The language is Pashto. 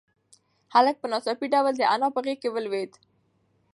هلک په ناڅاپي ډول د انا په غېږ کې ولوېد.